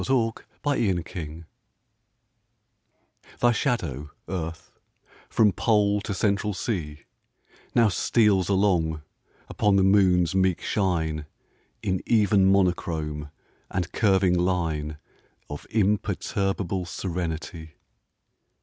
AT A LUNAR ECLIPSE THY shadow, Earth, from Pole to Central Sea, Now steals along upon the Moon's meek shine In even monochrome and curving line Of imperturbable serenity.